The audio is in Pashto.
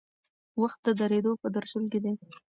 وخت د درېدو په درشل کې دی.